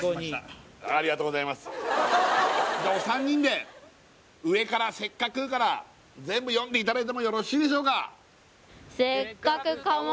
３人で上から「せっかく」から全部読んでいただいてもよろしいでしょうか？